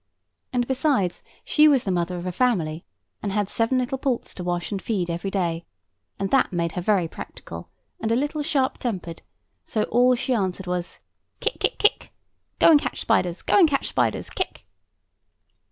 And, besides, she was the mother of a family, and had seven little poults to wash and feed every day; and that made her very practical, and a little sharp tempered; so all she answered was: "Kick kick kick—go and catch spiders, go and catch spiders—kick."